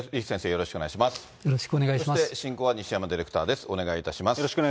よろしくお願いします。